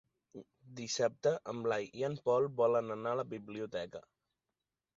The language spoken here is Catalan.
Dissabte en Blai i en Pol volen anar a la biblioteca.